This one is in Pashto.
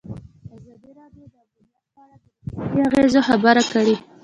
ازادي راډیو د امنیت په اړه د روغتیایي اغېزو خبره کړې.